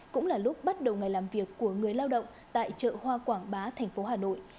cũng là lúc bắt đầu ngày làm việc của người lao động tại chợ hoa quảng bá thành phố hà nội